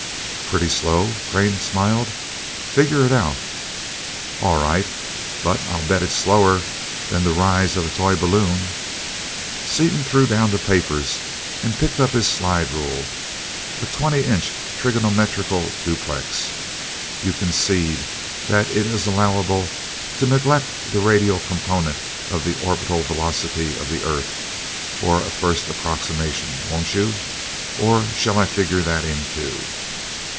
"Pretty slow?" Crane smiled. "Figure it out." "All right but I'll bet it's slower than the rise of a toy balloon." Seaton threw down the papers and picked up his slide rule, a twenty inch trigonometrical duplex. "You'll concede that it is allowable to neglect the radial component of the orbital velocity of the earth for a first approximation, won't you or shall I figure that in too?"